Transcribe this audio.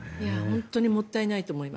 本当にもったいないと思います。